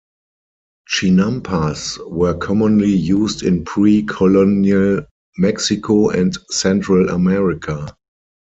Chinampas were commonly used in pre-colonial Mexico and Central America.